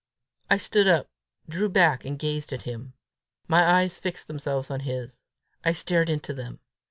I stood up, drew back, and gazed at him. My eyes fixed themselves on his. I stared into them.